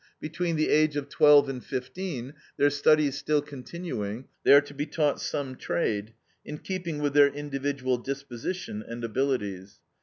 Between the age of twelve and fifteen their studies still continuing they are to be taught some trade, in keeping with their individual disposition and abilities.